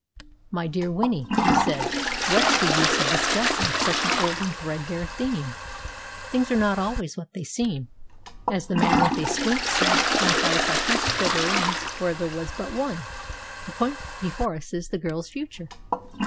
"My dear Winnie," he said, "what's the use of discussing such an old and threadbare theme? Things are not always what they seem, as the man with a squint said when he thought he saw two sovereigns where there was but one. The point before us is the girl's future."